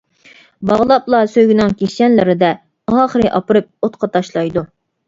باغلاپلا سۆيگۈنىڭ كىشەنلىرىدە، ئاخىرى ئاپىرىپ ئوتقا تاشلايدۇ.